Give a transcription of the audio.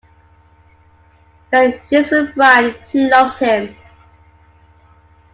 When she's with Brian she loves him.